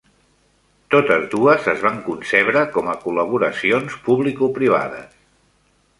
Totes dues es van concebre com a col·laboracions publicoprivades.